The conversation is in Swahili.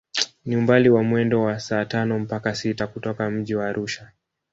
Ni umbali wa mwendo wa saa tano mpaka sita kutoka mji wa Arusha